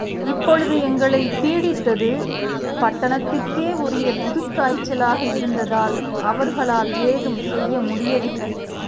இப்பொழுது எங்களைப் பீடித்தது, பட்டணத்திற்கே உரிய புதுக் காய்ச்சலாக இருந்ததால், அவர்களால் ஏதும் செய்ய முடியவில்லை.